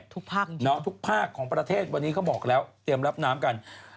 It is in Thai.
ทุกภาคของประเทศวันนี้เขาบอกแล้วเตรียมรับน้ำกัน